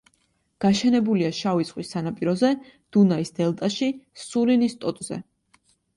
გაშენებულია შავი ზღვის სანაპიროზე, დუნაის დელტაში, სულინის ტოტზე.